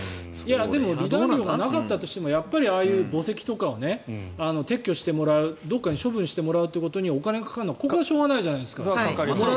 離檀料がなかったとしてもああいう墓石とかを撤去してもらうどこかに処分してもらうことにお金がかかるのはしょうがないじゃないですか。